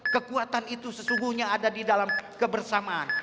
kekuatan itu sesungguhnya ada di dalam kebersamaan